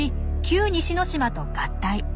旧・西之島と合体。